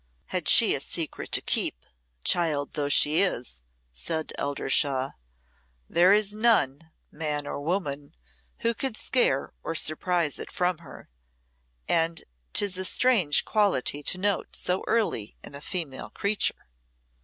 "Had she a secret to keep, child though she is," said Eldershawe, "there is none man or woman who could scare or surprise it from her; and 'tis a strange quality to note so early in a female creature."